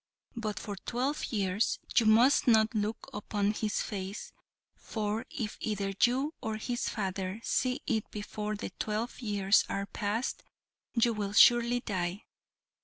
But for twelve years you must not look upon his face, for if either you or his father see it before the twelve years are past, you will surely die!